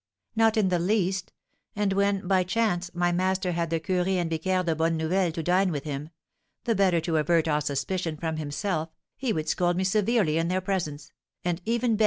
"Not in the least. And when, by chance, my master had the curé and vicaire of Bonne Nouvelle to dine with him, the better to avert all suspicion from himself, he would scold me severely in their presence, and even beg M.